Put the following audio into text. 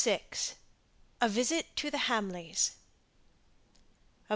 A VISIT TO THE HAMLEYS.